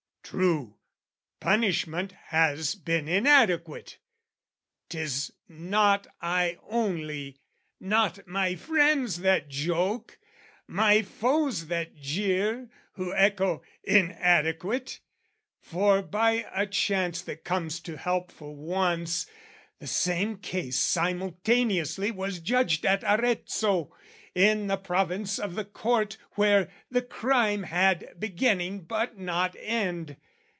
True, punishment has been inadequate 'Tis not I only, not my friends that joke, My foes that jeer, who echo "inadequate" For, by a chance that comes to help for once, The same case simultaneously was judged At Arezzo, in the province of the Court Where the crime had beginning but not end.